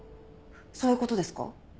そういう事ですか？